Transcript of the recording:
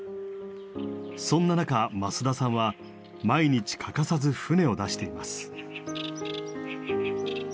そんな中増田さんは毎日欠かさず船を出しています。